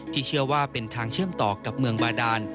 เชื่อว่าเป็นทางเชื่อมต่อกับเมืองบาดาน